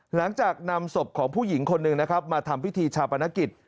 หลังจากนำศพของผู้หญิงคนหนึ่งนะครับมาทำพิธีชาปนกิจ